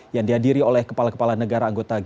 yang dihadiri oleh kepala kepala negara anggota g dua